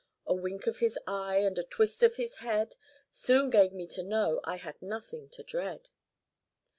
A wink of his eye, and a twist of his head, Soon gave me to know 1 had nothing to dread.